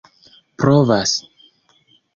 provas